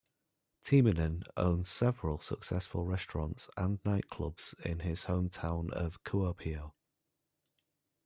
Timonen owns several successful restaurants and nightclubs in his hometown of Kuopio.